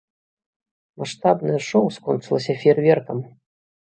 Маштабнае шоу скончылася феерверкам.